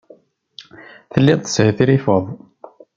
Telliḍ teshetrifeḍ.